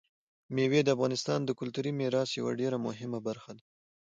مېوې د افغانستان د کلتوري میراث یوه ډېره مهمه برخه ده.